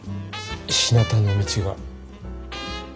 ひなたの道が。